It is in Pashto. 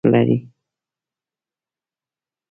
صحتمند زړه اوږد عمر ورکوي.